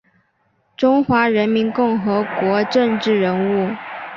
中华人民共和国政治人物。